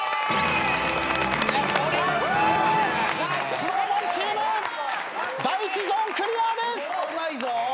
ＳｎｏｗＭａｎチーム第１ゾーンクリアです！